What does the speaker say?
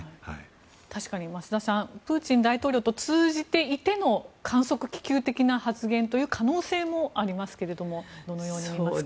確かに増田さんプーチン大統領と通じていての観測気球的な発言という可能性もありますけれどもどのように見ますか？